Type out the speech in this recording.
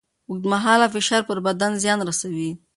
اوږدمهاله فشار پر بدن زیان رسوي.